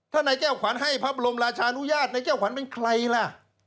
ถ้านายแก้วขวัญให้พระบรมราชานุญาตนายเจ้าขวัญเป็นใครล่ะ